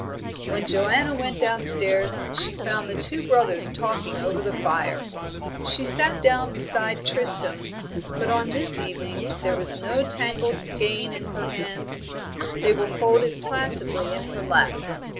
When Joanna went downstairs, she found the two brothers talking over the fire. She sat down beside Tristram, but on this evening there was no tangled skein in her hands; they were folded placidly in her lap.